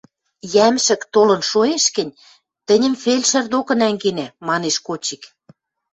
— Йӓмшӹк толын шоэш гӹнь, тӹньӹм фельшӹр докы нӓнгенӓ, — манеш Кочик.